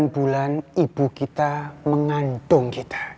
enam bulan ibu kita mengandung kita